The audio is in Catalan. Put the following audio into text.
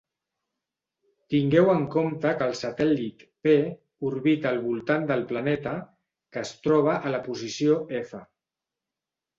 Tingueu en compte que el satèl·lit "P" orbita al voltant del planeta, que es troba a la posició "F".